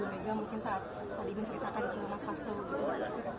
mungkin saat tadi menceritakan ke mas hasto